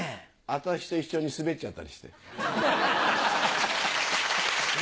私と一緒にスベっちゃったりして。